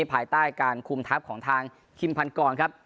ภายใต้การคุมทัพของทางคิมพันกรครับ